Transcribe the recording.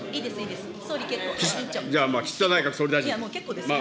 岸田内閣総理大臣。